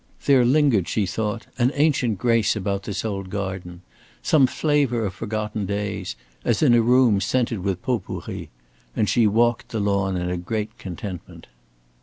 There lingered, she thought, an ancient grace about this old garden, some flavor of forgotten days, as in a room scented with potpourri; and she walked the lawn in a great contentment.